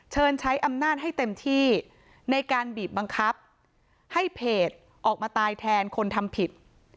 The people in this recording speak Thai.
เชิญใช้อำนาจให้เต็มที่ในการบีบบังคับให้เพจออกมาตายแทนคนทำผิด